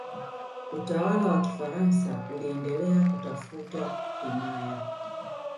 utawala wa kifaransa uliendelea kutafuta himaya